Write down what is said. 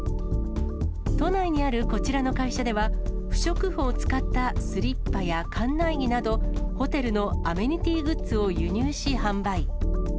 都内にあるこちらの会社では、不織布を使ったスリッパや館内着など、ホテルのアメニティーグッズを輸入し販売。